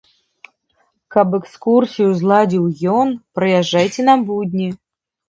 Каб экскурсію зладзіў ён, прыязджайце на будні.